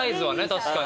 確かに。